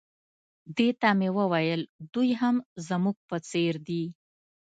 دې ته مې وویل دوی هم زموږ په څېر دي.